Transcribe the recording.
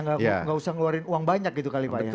nggak usah ngeluarin uang banyak gitu kali pak ya